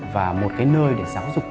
và một cái nơi để giáo dục